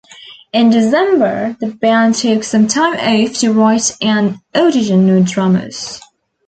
In December, the band took some time off to write and audition new drummers.